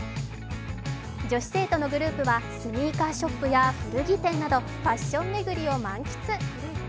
女子生徒のグループはスニーカーショップや古着店などファッション巡りを満喫。